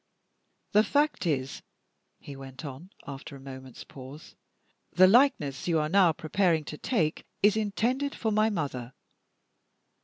The fact is," he went on, after a moment's pause, "the likeness you are now preparing to take is intended for my mother.